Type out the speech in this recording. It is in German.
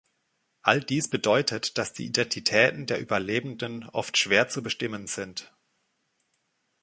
All dies bedeutet, dass die Identitäten der Überlebenden oft schwer zu bestimmen sind.